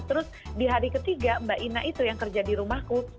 terus di hari ketiga mbak ina itu yang kerja di rumahku